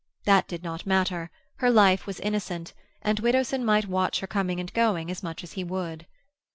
That did not matter; her life was innocent, and Widdowson might watch her coming and going as much as he would.